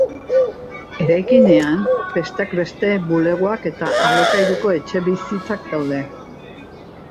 Eraikinean besteak beste bulegoak eta alokairuko etxebizitzak daude.